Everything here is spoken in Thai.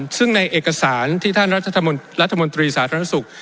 ซึ่งในเอกสารที่ท่านรัฐมนตรีสาธารณสุข